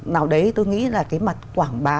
nào đấy tôi nghĩ là cái mặt quảng bá